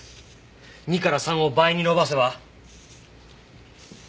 ２から３を倍に伸ばせば。